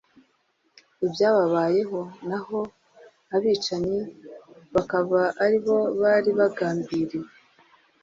ibyababayeho naho abicanyi bakaba ari bo bari bagambiriwe